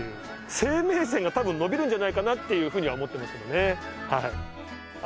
生命線がたぶんのびるんじゃないかなっていうふうには思ってますけどねはい。